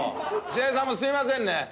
白井さんもすみませんね。